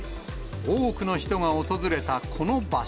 多くの人が訪れたこの場所。